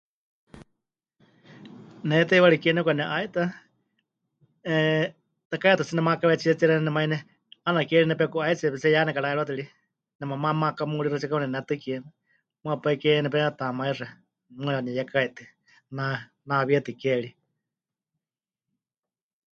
Ne teiwari kie nepɨkane'aita, 'eh, takai'aatu tsɨ nemakawetsie tsɨ xeeníu nemaine, 'aana ke ri nepeku'aitsie pero tsɨ ya nekara'eriwatɨ ri, nemamá makamuríxɨtsie kauka nenetɨkie, muuwa pai ke nepenetamaixɨa, muuwa neyekaitɨ, na... nawietɨ ke ri.